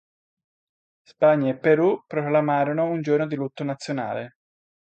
Spagna e Perù proclamarono un giorno di lutto nazionale.